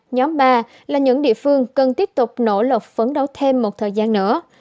nhóm ba là những địa phương cần tiếp tục nỗ lực phấn đấu thêm một thời gian nữa